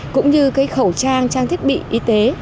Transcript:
cũng như khẩu trang trang thiết bị y tế